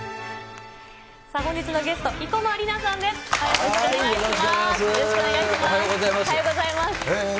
さあ、本日のゲスト、生駒里奈さんです。